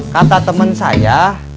kata temen saya